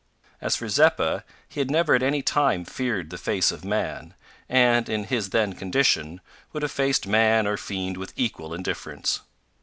As for Zeppa, he had never at any time feared the face of man, and, in his then condition, would have faced man or fiend with equal indifference.